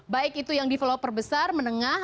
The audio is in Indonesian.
baik itu yang developer besar menengah